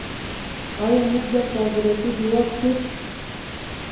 آیا موږ به صادراتي هیواد شو؟